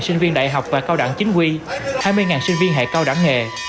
hai mươi sinh viên đại học và cao đẳng chính quy hai mươi sinh viên hệ cao đẳng nghề